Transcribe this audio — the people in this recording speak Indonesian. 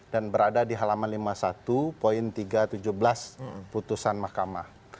dan berada di halaman lima puluh satu tiga ratus tujuh belas putusan mahkamah